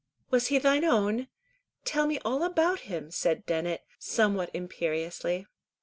"Was he thine own? Tell me all about him," said Dennet, somewhat imperiously.